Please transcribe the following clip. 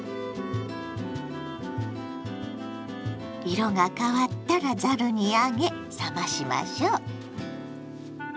色が変わったらざるに上げ冷ましましょう。